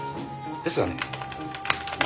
ですがね